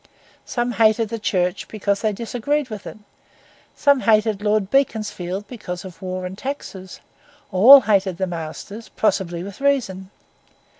Some hated the Church because they disagreed with it; some hated Lord Beaconsfield because of war and taxes; all hated the masters, possibly with reason.